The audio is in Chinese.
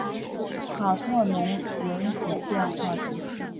卡特农人口变化图示